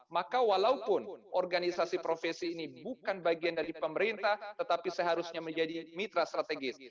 maka walaupun organisasi profesi ini bukan bagian dari pemerintah tetapi seharusnya menjadi mitra strategis